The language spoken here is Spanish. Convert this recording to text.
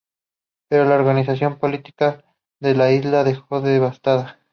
Pero la organización política de la isla dejó devastada.